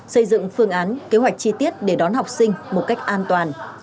xây dựng phương án kế hoạch chi tiết để đón học sinh một cách an toàn